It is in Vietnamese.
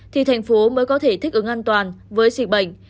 thì thành phố mới có thể thích ứng an toàn với dịch bệnh